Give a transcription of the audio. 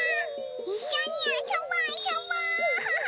いっしょにあそぼあそぼ！